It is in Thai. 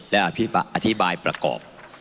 และอธิบายประกอบ